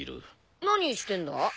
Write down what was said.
何してんだ？